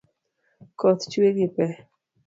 Koth chwe gi pee.